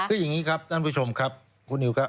คืออย่างนี้ครับท่านผู้ชมครับคุณนิวครับ